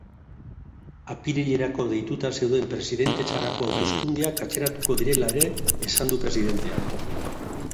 Apirilerako deituta zeuden presidentetzarako hauteskundeak atzeratuko direla ere esan du presidenteak.